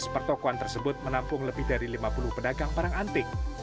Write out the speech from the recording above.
pertokohan tersebut menampung lebih dari lima puluh pedagang barang antik